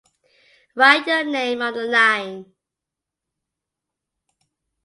Write your name on the line.